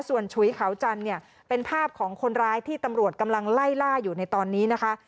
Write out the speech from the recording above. ส่วนฉุยเขาจันทร์เนี่ยเป็นภาพของคนร้ายที่ตำรวจกำลังไล่ล่าอยู่ในตอนนี้นะคะ